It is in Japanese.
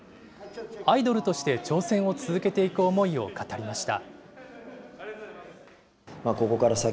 アイドルとして挑戦を続けていく思いを語りました。